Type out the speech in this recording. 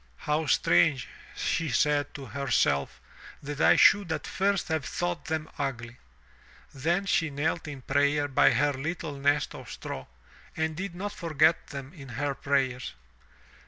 "How strange," she said to herself, that I should at first have thought them ugly." Then she knelt in prayer by her little nest of straw, and did not forget them in her prayers.